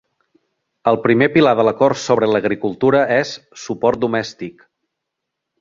El primer Pilar de l'acord sobre l'agricultura és "suport domèstic".